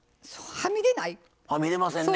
はみ出ませんね。